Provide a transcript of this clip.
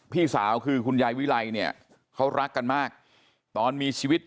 พี่สาวคือกูยายวิไลยเขารักกันมากตอนมีชีวิตอยู่